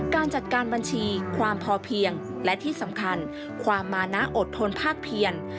การจัดการบัญชีความพอเพียงและที่สำคัญความมานะอดทนภาคเพียน